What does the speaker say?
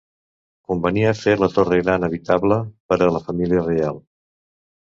Convenia fer la Torre Gran habitable per a la família reial.